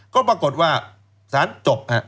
ก็ปรากฏว่าสารจบ